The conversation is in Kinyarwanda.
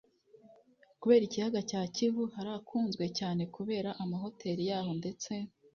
kubera ikiyaga cya kivu. harakunzwe cyane kubera amahoteri yaho ndetse